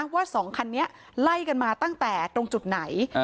ว่า๒คันนี้ไล่กันมาตั้งแต่ตรงจุดไหน